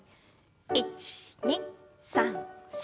１２３４。